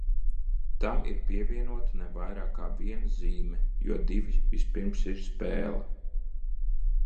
Tam ir pievienota ne vairāk kā viena zīme, jo divi vispirms ir spēle.